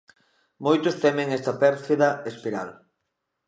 Moitos temen esta pérfida espiral.